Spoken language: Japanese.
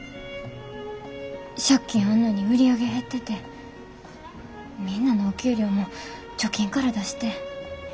借金あんのに売り上げ減っててみんなのお給料も貯金から出して。